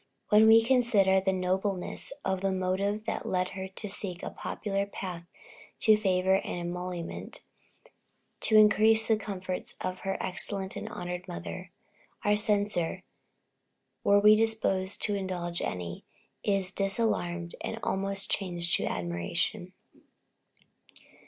When we consider the nobleness of the motive that led her to seek a popular path to favor and emolument to increase the comforts of her excellent and honored mother our censure, were we disposed to indulge any, is disarmed and almost changed to admiration.